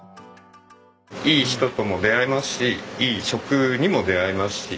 いい人とも出会えますしいい食にも出会えますし。